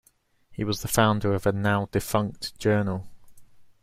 He was the founder of a now-defunct journal.